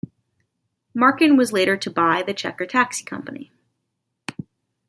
Markin was later to buy the Checker Taxi Company.